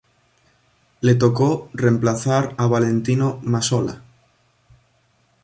Le tocó reemplazar a Valentino Mazzola.